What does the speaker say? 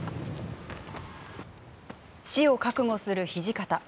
死を覚悟する土方。